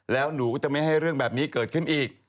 แล้วหนูก็จะไม่ให้เรื่องแบบนี้เกิดขึ้นอีก